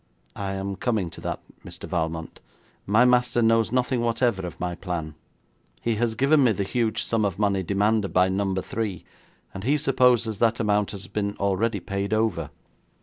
'I am coming to that, Mr. Valmont. My master knows nothing whatever of my plan. He has given me the huge sum of money demanded by Number Three, and he supposes that amount has been already paid over.